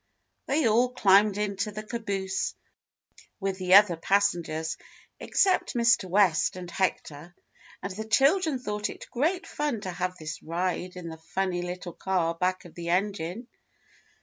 They all climbed into the caboose with the other passengers, except Mr. West and Hector, and the chil dren thought it great fun to have this ride in the funny little car back of the engine.